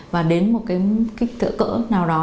và đến một cái kích cỡ cỡ nào đó